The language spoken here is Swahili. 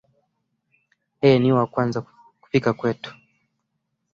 Yeye ni wa kwanza kufika kwetu